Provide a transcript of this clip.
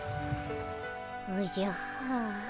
おじゃはあ。